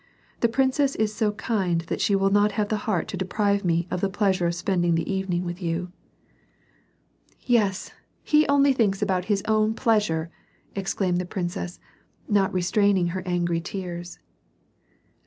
The princess is so kind that she will not have the heart to deprive me of the pleasure of spending the evening with you." 30 WAR AND PEACE, " Yes, lie only thinks about his own pleasure !" exclaimed the princess, not restraining her angry tears.